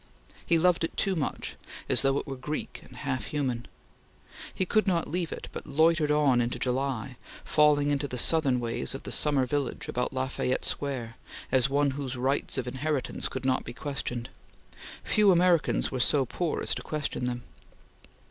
He loved it too much, as though it were Greek and half human. He could not leave it, but loitered on into July, falling into the Southern ways of the summer village about La Fayette Square, as one whose rights of inheritance could not be questioned. Few Americans were so poor as to question them.